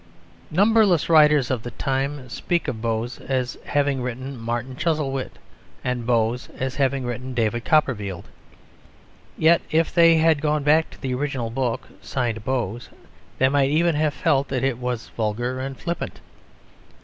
Numberless writers of the time speak of "Boz" as having written Martin Chuzzlewit and "Boz" as having written David Copperfield. Yet if they had gone back to the original book signed "Boz" they might even have felt that it was vulgar and flippant.